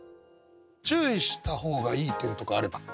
注意した方がいい点とかあれば。